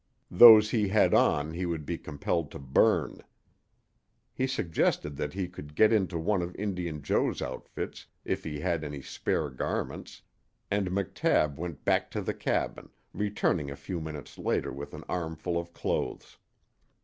Those he had on he would be compelled to burn. He suggested that he could get into one of Indian Joe's outfits, if he had any spare garments, and McTabb went back to the cabin, returning a few minutes later with an armful of clothes.